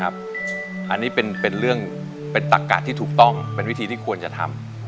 อันนี้เป็นเรื่องเป็นตักกะที่ถูกต้องเป็นวิธีที่ควรจะทำ